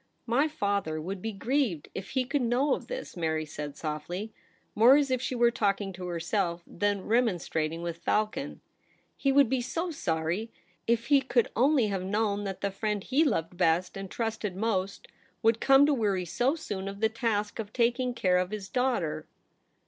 ' My father would be grieved if he could know of this,' Mary said softly, more as if she were talking to herself than remonstrating with Falcon. ' He would be so sorry. If he could only have known that the friend he loved best and trusted most would come to weary so soon of the task of taking care of his daughter